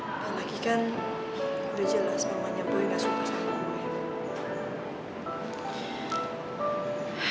apalagi kan udah jelas mamanya boy gak suka sama gue